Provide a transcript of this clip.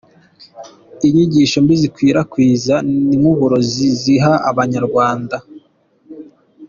Inyigisho mbi zikwirakwiza ni nk’ uburozi ziha abanyarwanda.